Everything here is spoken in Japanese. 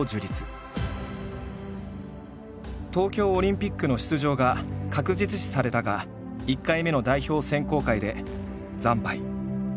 東京オリンピックの出場が確実視されたが１回目の代表選考会で惨敗。